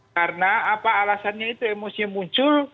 karena apa alasannya itu emosinya muncul